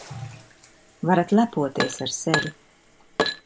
Varat lepoties ar sevi.